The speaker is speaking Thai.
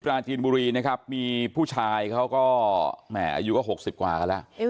ราจีนบุรีนะครับมีผู้ชายเขาก็แหมอายุก็๖๐กว่ากันแล้ว